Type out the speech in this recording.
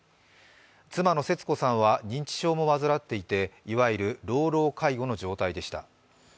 妻の節子さんは認知症も患っていていわゆる老老介護の状態でした。